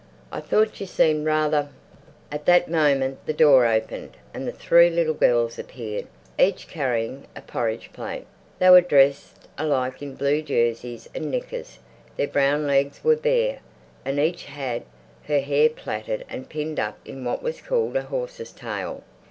I thought you seemed rather—" At that moment the door opened and the three little girls appeared, each carrying a porridge plate. They were dressed alike in blue jerseys and knickers; their brown legs were bare, and each had her hair plaited and pinned up in what was called a horse's tail.